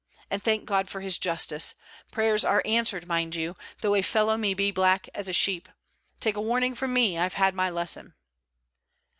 and thank God for his justice! Prayers are answered, mind you, though a fellow may be as black as a sweep. Take a warning from me. I've had my lesson.'